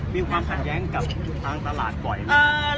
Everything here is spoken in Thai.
มีความขัดแย้งกับทางตลาดบ่อยมาก